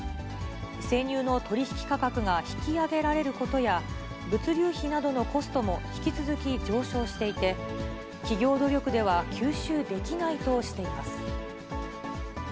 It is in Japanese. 生乳の取り引き価格が引き上げられることや、物流費などのコストも引き続き上昇していて、企業努力では吸収できないとしています。